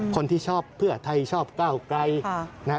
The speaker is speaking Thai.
คนที่ชอบเพื่อไทยชอบก้าวไกล